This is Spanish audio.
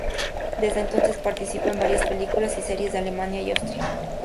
Desde entonces participa en varias películas y series de Alemania y Austria.